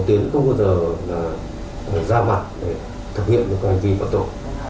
tiến không bao giờ ra mặt để thực hiện những hành vi hoạt động